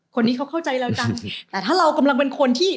คนนี้เขาเข้าใจเราจังแต่ถ้าเรากำลังเป็นคนที่